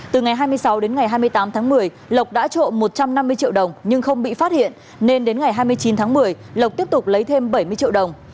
từ ngày hai mươi sáu đến ngày hai mươi tám tháng một mươi lộc đã trộm một trăm năm mươi triệu đồng nhưng không bị phát hiện nên đến ngày hai mươi chín tháng một mươi lộc tiếp tục lấy thêm bảy mươi triệu đồng